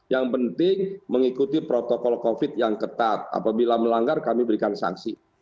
yang penting mengikuti protokol covid yang ketat apabila melanggar kami berikan sanksi